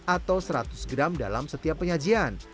atau seratus gram dalam setiap penyajian